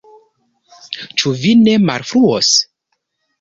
Ĉu vi ne malfruos?